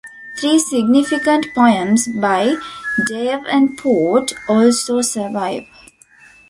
Three significant poems by Davenport also survive.